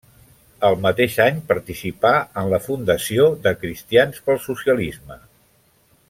El mateix any participà en la fundació de Cristians pel Socialisme.